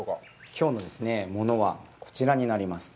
きょうのものはこちらになります。